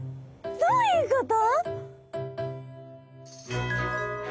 どういうこと？